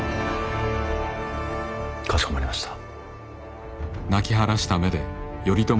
かしこまりました。